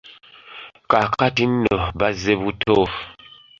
Kaakati nno bazze buto.